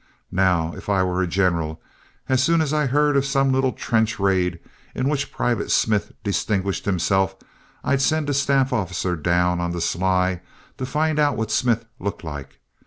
Now, if I were a general, as soon as I heard of some little trench raid in which Private Smith distinguished himself I'd send a staff officer down on the sly to find out what Smith looked like.